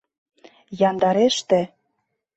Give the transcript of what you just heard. Яндареште!..